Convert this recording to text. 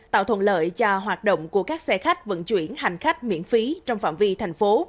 tạo thuận lợi cho hoạt động của các xe khách vận chuyển hành khách miễn phí trong phạm vi thành phố